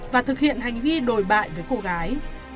và thực hiện hành vi đồi bại với cô gái